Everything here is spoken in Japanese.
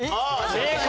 正解！